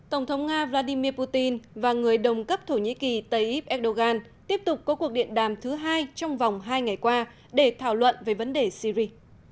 tổng thống nga vladimir putin và người đồng cấp thổ nhĩ kỳ tayyip erdogan tiếp tục có cuộc điện đàm thứ hai trong vòng hai ngày qua để thảo luận về vấn đề syri